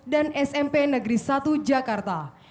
dan smp negeri satu jakarta